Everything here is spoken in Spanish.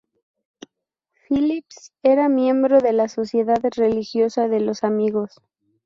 Phillips era miembro de la Sociedad Religiosa de los Amigos.